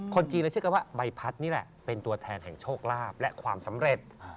คนจีนเลยเชื่อกันว่าใบพัดนี่แหละเป็นตัวแทนแห่งโชคลาภและความสำเร็จ